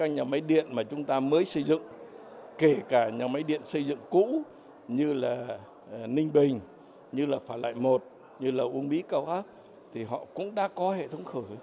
nhiều tỉnh cũ như ninh bình phạm lại một uông bí cầu ác cũng đã có hệ thống khởi